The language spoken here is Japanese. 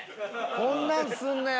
こんなんすんねや。